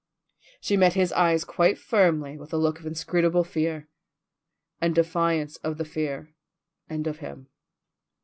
She met his eyes quite firmly with a look of inscrutable fear, and defiance of the fear and of him.